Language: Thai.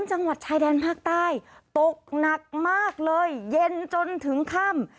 จังหวัดชายแดนภาคใต้ตกหนักมากเลยเย็นจนถึงค่ำ